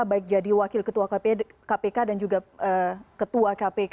baik jadi wakil ketua kpk dan juga ketua kpk